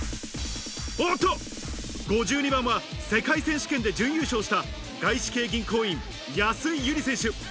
おっと、５２番は世界選手権で準優勝した外資系銀行員、安井友梨選手。